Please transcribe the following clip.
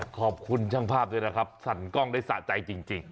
ขอบคุณช่างภาพด้วยนะครับสั่นกล้องได้สะใจจริง